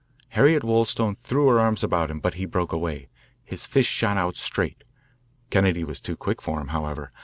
Harriet Wollstone threw her arms about him, but he broke away. His fist shot out straight. Kennedy was too quick for him, however.